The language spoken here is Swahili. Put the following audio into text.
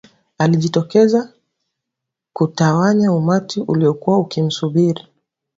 baadaye alijitokeza kutawanya umati uliokuwa ukimsubiri